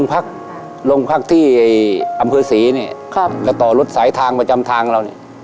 เอางอำเคลอื่นนี้ก็ต่อรถสายทางประจำทางละเรานี้